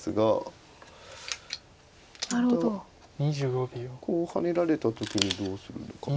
ただこうハネられた時にどうするのかな。